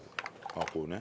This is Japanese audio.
あっこうね。